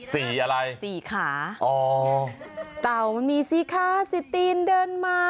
สี่อะไรสี่ขาอ๋อเต่ามันมีสีคาซิตีนเดินมา